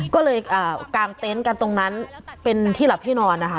ก็เลยกางเต็นต์กันตรงนั้นเป็นที่หลับที่นอนนะคะ